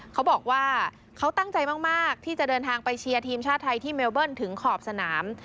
เขาบอกว่าเขาตั้งใจมากที่จะเดินทางไปเชียร์ทีมชาติไทยที่เมลเบิ้ลถึงขอบสนาม